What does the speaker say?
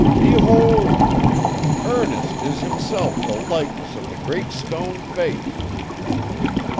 Behold! Ernest is himself the likeness of the Great Stone Face!